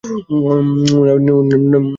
উনার আর উনার মৃত স্বামীর সাথে?